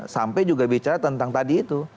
sampai juga bicara tentang tadi itu